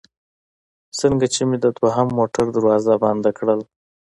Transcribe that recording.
څنګه چې مې د دوهم موټر دروازه بنده کړل.